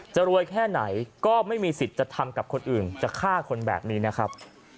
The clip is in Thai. รวยแค่ไหนก็ไม่มีสิทธิ์จะทำกับคนอื่นจะฆ่าคนแบบนี้นะครับ